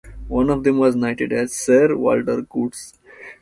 One of them was knighted as Sir Walter Coutts.